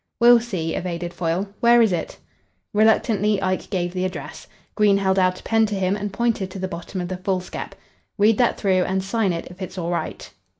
"We'll see," evaded Foyle. "Where is it?" Reluctantly, Ike gave the address. Green held out a pen to him and pointed to the bottom of the foolscap. "Read that through and sign it if it's all right."